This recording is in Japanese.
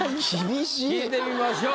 聞いてみましょう。